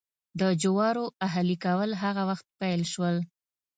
د جوارو اهلي کول هغه وخت پیل شول.